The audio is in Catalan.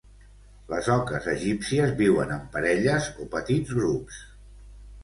Les oques egípcies viuen en parelles o petits grups.